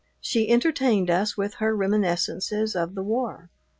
She entertained us with her reminiscences of the War.